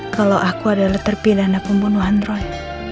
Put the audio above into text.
kalau aku adalah terpilih dana pembunuhan roy